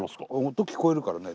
音聞こえるからね。